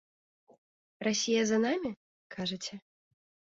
Расія за намі, кажаце?